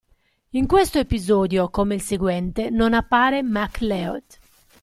In questo episodio come il seguente non appare MacLeod.